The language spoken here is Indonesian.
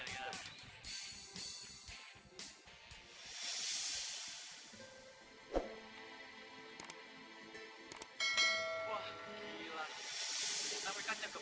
jangan ribut pak